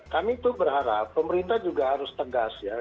kami itu berharap pemerintah juga harus tegas ya